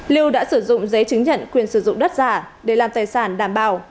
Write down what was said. lưu đã sử dụng giấy chứng nhận quyền sử dụng đất giả để làm tài sản đảm bảo